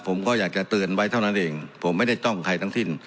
ผมก็อยากจะเตือนไว้เท่านั้นเองผมไม่ได้จ้องใครทั้งสิ้น